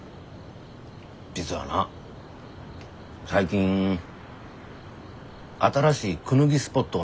実はな最近新しいクヌギスポットを見つけたんや。